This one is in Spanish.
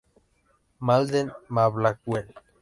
Malden, Ma, Blackwell.